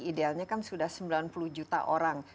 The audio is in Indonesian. idealnya kan sudah sembilan puluh juta orang